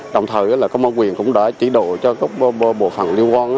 đồng thời công an huyện cũng đã chỉ đổ cho các bộ phận liêu quan